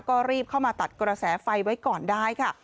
ก็รีบเข้ามาตัดกระแสไฟไว้ก่อนได้ค่ะ